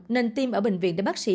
nên tim ở bệnh viện để bác sĩ